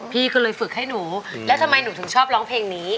พี่ก็เลยฝึกให้หนูแล้วทำไมหนูถึงชอบร้องเพลงนี้